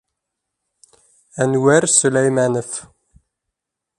Әнүәр СӨЛӘЙМӘНОВ.